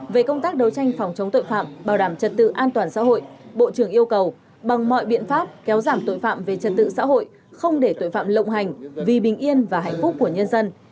về công tác đấu tranh phòng chống tội phạm bảo đảm trật tự an toàn xã hội bộ trưởng yêu cầu bằng mọi biện pháp kéo giảm tội phạm về trật tự xã hội không để tội phạm lộng hành vì bình yên và hạnh phúc của nhân dân